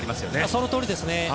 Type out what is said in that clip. そのとおりですね。